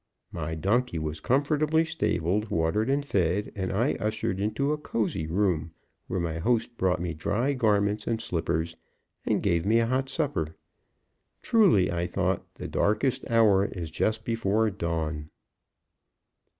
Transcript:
My donkey was comfortably stabled, watered and fed, and I ushered into a cozy room, where my host brought me dry garments and slippers, and gave me a hot supper. Truly, I thought, the darkest hour is just before dawn.